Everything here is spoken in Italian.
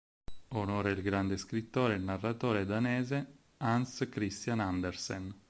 Onora il grande scrittore e narratore danese Hans Christian Andersen.